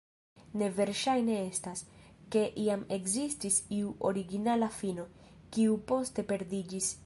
Ne verŝajne estas, ke iam ekzistis iu originala fino, kiu poste perdiĝis.